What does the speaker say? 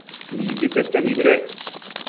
Mimbi pete nibëdec